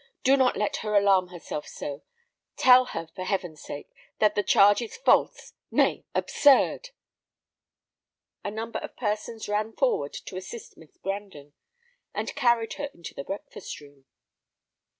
"Do not let her alarm herself so. Tell her, for heaven's sake! that the charge is false, nay, absurd." A number of persons ran forward to assist Miss Brandon, and carried her into the breakfast room.